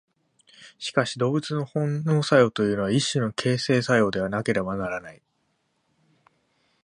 しかし動物の本能作用というのは一種の形成作用でなければならない。